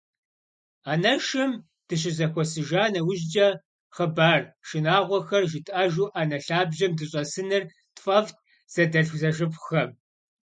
Анэшым дыщызэхуэсыжа нэужькӏэ, хъыбар шынагъуэхэр жытӏэжу ӏэнэ лъабжьэм дыщӏэсыныр тфӏэфӏт зэдэлъхузэшыпхъухэм.